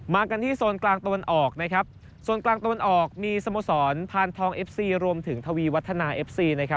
กันที่โซนกลางตะวันออกนะครับโซนกลางตะวันออกมีสโมสรพานทองเอฟซีรวมถึงทวีวัฒนาเอฟซี